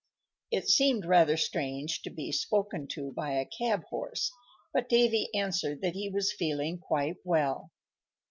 It seemed rather strange to be spoken to by a cab horse, but Davy answered that he was feeling quite well.